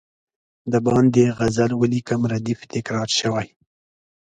د باندي غزل ولیکم ردیف تکرار شوی.